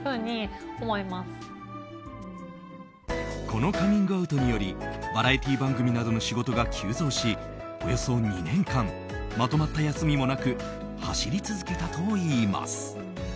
このカミングアウトによりバラエティー番組などの仕事が急増しおよそ２年間まとまった休みもなく走り続けたといいます。